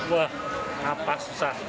wah nafas susah